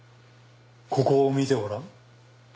ここを見てごらん。